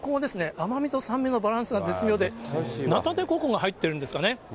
甘みと酸味のバランスが絶妙で、ナタデココが入ってるんですかね。